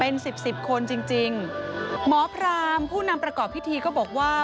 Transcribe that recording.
เป็นสิบสิบคนจริงจริงหมอพรามผู้นำประกอบพิธีก็บอกว่า